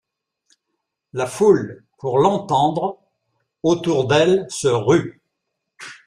La foule, pour l’entendre, autour d’elle se rue.